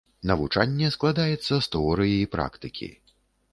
Навучанне складаецца з тэорыі і практыкі.